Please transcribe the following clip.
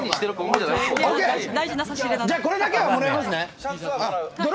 じゃあ、これだけはもらいます。